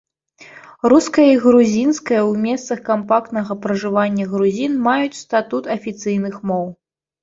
Руская і грузінская ў месцах кампактнага пражывання грузін маюць статут афіцыйных моў.